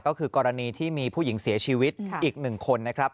ก็คือกรณีที่มีผู้หญิงเสียชีวิตอีก๑คนนะครับ